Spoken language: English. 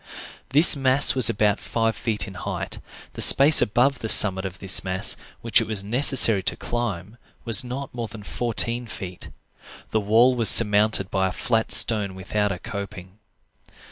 This mass was about five feet in height; the space above the summit of this mass which it was necessary to climb was not more than fourteen feet. The wall was surmounted by a flat stone without a coping.